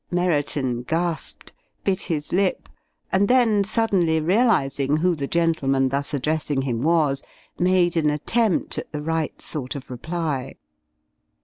Merriton gasped, bit his lip, and then suddenly realizing who the gentleman thus addressing him was, made an attempt at the right sort of reply.